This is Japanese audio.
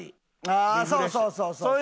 ああーそうそうそうそう。